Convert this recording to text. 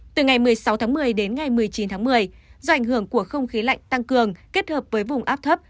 từ ngày một mươi sáu tháng một mươi đến ngày một mươi chín tháng một mươi do ảnh hưởng của không khí lạnh tăng cường kết hợp với vùng áp thấp